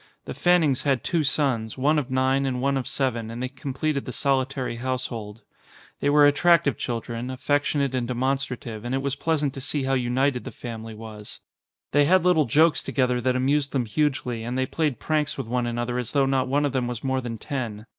The Fannings had two sons, one of nine and one of seven, and they completed the solitary household. They were attractive children, affectionate and demonstra tive, and it was pleasant to see how united the 126 THE FANNING! family was. They had little jokes together that amused them hugely, and they played pranks with one another as though not one of them was more than ten.